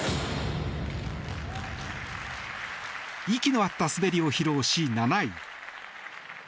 息の合った滑りを披露し、７位。